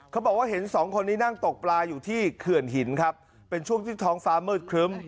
เขาบอกว่าเห็นสองคนนี้นั่งตกปลาอยู่ที่เขื่อนหินครับเป็นช่วงที่ท้องฟ้ามืดครึ้ม